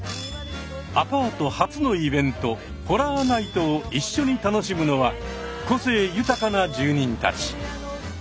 アパート初のイベントホラーナイトを一緒に楽しむのは個性豊かな住人たち。